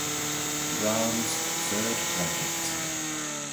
Brahms' Third Racket!